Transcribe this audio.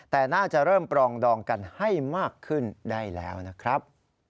แต่น่าจะเริ่มปรองดองกันให้มากขึ้นได้แล้วนะครับ